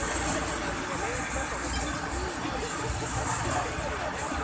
大好きなね。